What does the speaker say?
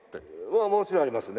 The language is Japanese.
もちろんありますね。